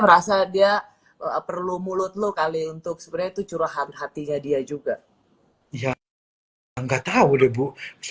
merasa dia perlu mulut lu kali untuk sebenarnya itu curahan hatinya dia juga ya nggak tahu deh bu